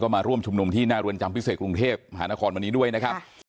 มาร่วมชุมนุมที่หน้าเรือนจำพิเศษกรุงเทพมหานครวันนี้ด้วยนะครับ